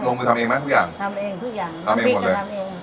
ลงมือทำเองไหมทุกอย่างทำเองทุกอย่างทำเองจะทำเอง